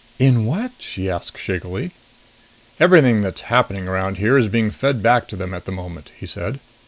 "In what?" she asked shakily. "Everything that's happening around here is being fed back to them at the moment," he said.